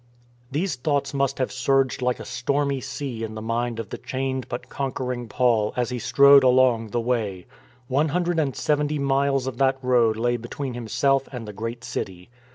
These thoughts must have surged like a stormy sea in the mind of the chained but conquering Paul as he strode along the Way. One hundred and seventy miles of that road lay between himself and the great city.